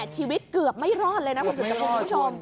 ๒๘ชีวิตเกือบไม่รอดเลยนะคุณผู้ชม